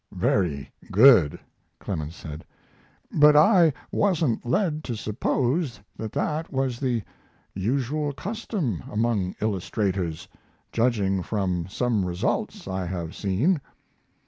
"Very good," Clemens said; "but I wasn't led to suppose that that was the usual custom among illustrators, judging from some results I have seen.